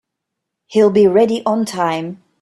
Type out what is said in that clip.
He'll be ready on time.